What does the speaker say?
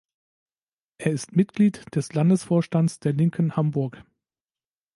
Er ist Mitglied des Landesvorstands der Linken Hamburg.